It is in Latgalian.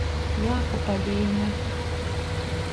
Jākupa dīna.